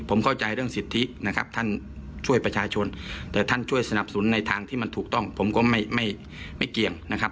ผมเข้าใจเรื่องสิทธินะครับท่านช่วยประชาชนแต่ท่านช่วยสนับสนุนในทางที่มันถูกต้องผมก็ไม่ไม่เกี่ยงนะครับ